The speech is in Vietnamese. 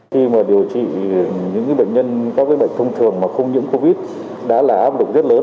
khi mà điều trị những bệnh nhân có cái bệnh thông thường mà không nhiễm covid đã là áp lực rất lớn